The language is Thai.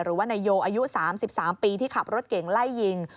หรือว่านายโยอายุ๓๓ปีที่ขับรถเก่งไล่ยิง